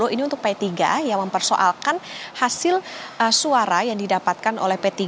ini untuk p tiga yang mempersoalkan hasil suara yang didapatkan oleh p tiga